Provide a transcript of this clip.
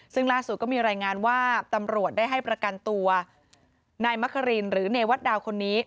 ซึ่งล่าสุดก็มีรายงานว่าตำรวจได้ให้ประกันตัวนายมะครินหรือเนวัดดาวคนนี้